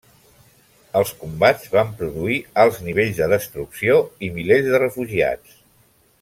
Els combats van produir alts nivells de destrucció i milers de refugiats.